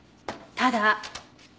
ただ。